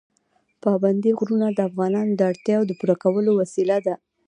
پابندی غرونه د افغانانو د اړتیاوو د پوره کولو وسیله ده.